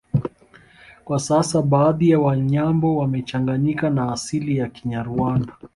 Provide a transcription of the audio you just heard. Kwa sasa baadhi ya Wanyambo wamechanganyikana na asili ya Kinyarwanda